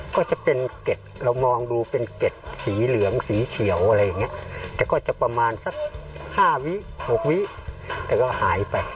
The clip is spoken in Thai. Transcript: ก็จะเป็นเก็ดเรามองดูเป็นเก็ดสีเหลืองสีเขียวอะไรอย่างเงี้ยแต่ก็จะประมาณสัก๕วิหกวิแต่ก็หายไป